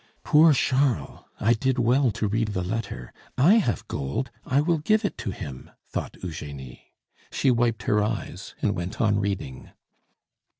"Poor Charles! I did well to read the letter. I have gold; I will give it to him," thought Eugenie. She wiped her eyes, and went on reading.